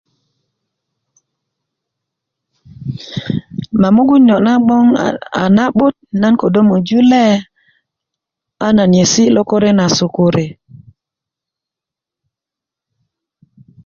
ma mogun niyo na a gboŋ na'bot nan ködö möju lee a nan yesi' lokore na sukuri